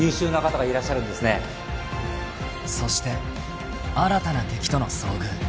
［そして新たな敵との遭遇］